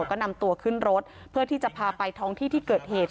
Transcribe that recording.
ก็นำตัวขึ้นรถเพื่อที่จะพาไปท้องที่ที่เกิดเหตุ